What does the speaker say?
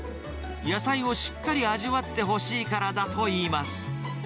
野菜をしっかり味わってほしいからだといいます。